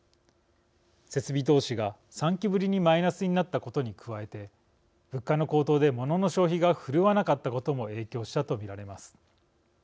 設備投資が３期ぶりにマイナスになったことに加えて物価の高騰で、モノの消費が振るわなかったことも影響したと見られます。